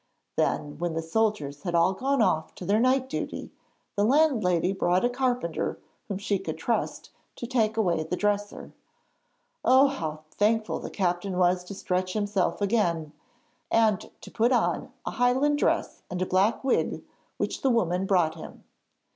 Then, when the soldiers had all gone off to their night duty, the landlady brought a carpenter whom she could trust to take away the dresser. Oh! how thankful the captain was to stretch himself again, and to put on a Highland dress and a black wig which the woman brought him.